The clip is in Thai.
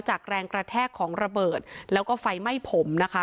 แรงกระแทกของระเบิดแล้วก็ไฟไหม้ผมนะคะ